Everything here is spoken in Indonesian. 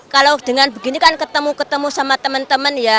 kalau dengan begini kan ketemu ketemu sama teman teman ya